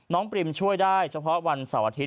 ปริมช่วยได้เฉพาะวันเสาร์อาทิตย